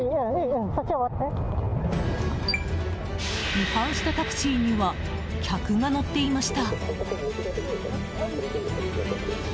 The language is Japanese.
違反したタクシーには客が乗っていました。